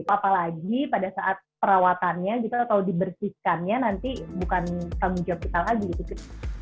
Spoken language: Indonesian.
apalagi pada saat perawatannya gitu atau dibersihkannya nanti bukan tanggung jawab kita lagi gitu